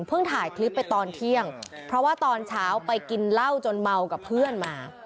ถ่ายคลิปไปตอนเที่ยงเพราะว่าตอนเช้าไปกินเหล้าจนเมากับเพื่อนมา